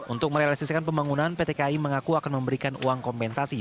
untuk merealisasikan pembangunan pt kai mengaku akan memberikan uang kompensasi